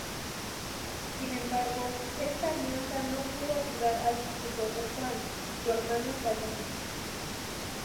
Sin embargo, esta alianza no pudo ayudar al sucesor de Juan, su hermano David.